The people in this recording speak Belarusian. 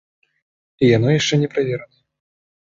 І яно яшчэ не праверанае.